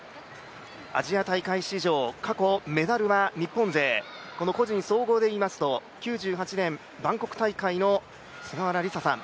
アジア大会史上、過去メダルは日本勢この個人総合でいいますと９８年バンコク大会の菅原リサさん。